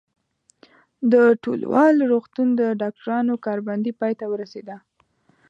د ټولوال روغتون د ډاکټرانو کار بندي پای ته ورسېده.